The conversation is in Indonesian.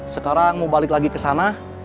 sekarang mau balik lagi ke sana